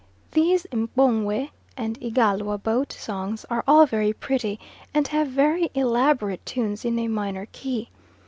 These M'pongwe and Igalwa boat songs are all very pretty, and have very elaborate tunes in a minor key.